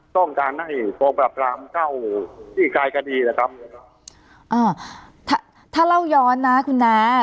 ต้องการให้กองปราบรามเข้าขี้คลายคดีนะครับอ่าถ้าถ้าเล่าย้อนนะคุณน้า